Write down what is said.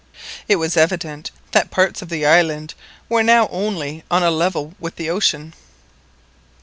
It was evident that parts of the island were now only on a level with the ocean.